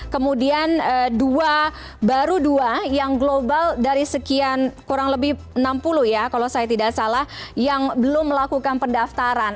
kemudian baru dua yang global dari sekian kurang lebih enam puluh ya kalau saya tidak salah yang belum melakukan pendaftaran